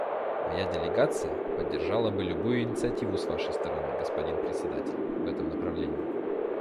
Моя делегация поддержала бы любую инициативу с Вашей стороны, господин Председатель, в этом направлении.